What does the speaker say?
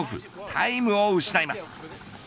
タイムを失います。